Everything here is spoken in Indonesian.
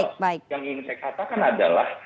yang ingin saya katakan adalah